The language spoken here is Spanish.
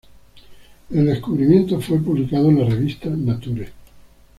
El descubrimiento fue publicado en la revista Nature.